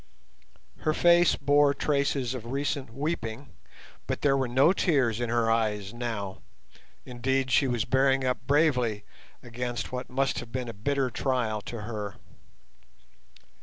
Her face bore traces of recent weeping, but there were no tears in her eyes now, indeed she was bearing up bravely against what must have been a bitter trial to her.